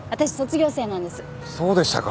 そうでしたか。